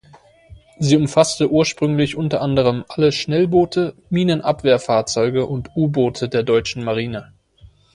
Sie umfasste ursprünglich unter anderem alle Schnellboote, Minenabwehrfahrzeuge und U-Boote der Deutschen Marine.